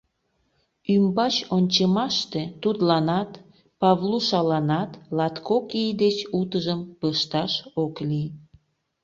Ӱмбач ончымаште тудланат, Павлушаланат латкок ий деч утыжым пышташ ок лий.